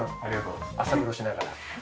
朝風呂しながら。